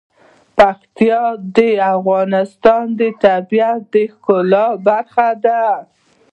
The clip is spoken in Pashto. پکتیکا د افغانستان د طبیعت د ښکلا برخه ده.